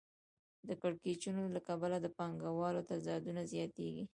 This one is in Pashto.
د کړکېچونو له کبله د پانګوالۍ تضادونه زیاتېږي